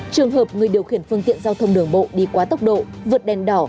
trường hợp người điều khiển phương tiện giao thông đường bộ đi quá tốc độ vượt đèn đỏ